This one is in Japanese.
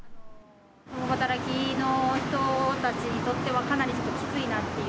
共働きの人たちにとってはかなりちょっときついなっていう。